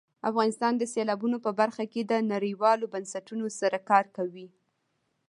افغانستان د سیلابونه په برخه کې نړیوالو بنسټونو سره کار کوي.